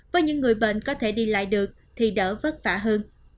với những người bệnh có thể đi lại được thì đỡ vất vả hơn